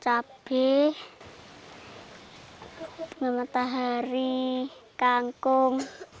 cabai bumi matahari kangkung